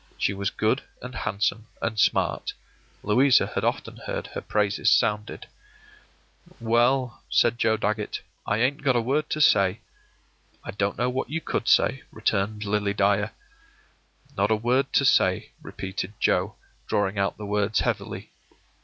She was good and handsome and smart. Louisa had often heard her praises sounded. “Well,” said Joe Dagget, “I ain't got a word to say.” “I don't know what you could say,” returned Lily Dyer. “Not a word to say,” repeated Joe, drawing out the words heavily.